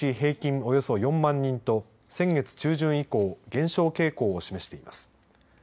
およそ４万人と先月中旬以降、減少傾向を示しています。